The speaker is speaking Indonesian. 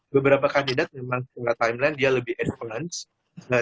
beberapa kandidat memang secara timeline dia lebih advance